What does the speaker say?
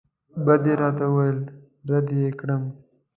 بد یې راته وویل رد یې کړم.